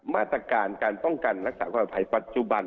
มาตรการการป้องกันรักษาความปลอดภัยปัจจุบัน